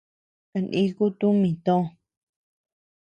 Kaniku tumi tòò.